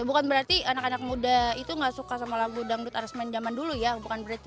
bukan berarti anak anak muda itu gak suka sama lagu dangdut arusmen zaman dulu ya bukan berarti